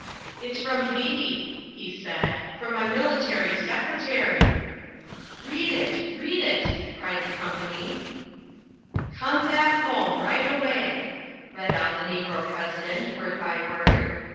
"It's from Haiti," he said, "from my military secretary." "Read it, read it," cried the company. "Come back home right away," read out the Negro President, word by word.